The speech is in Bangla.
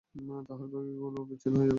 তাহলে বগিগুলো বিচ্ছিন্ন হয়ে যাবে।